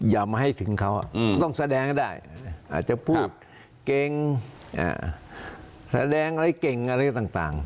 อย่ามาให้ถึงเขาต้องแสดงให้ได้อาจจะพูดเก่งแสดงอะไรเก่งอะไรต่าง